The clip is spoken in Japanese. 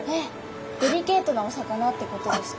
デリケートなお魚ってことですか？